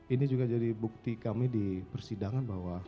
ini juga jadi bukti kami di persidangan bahwa